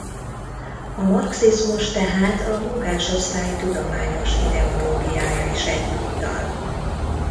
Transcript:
A marxizmus tehát a munkásosztály tudományos ideológiája is egyúttal.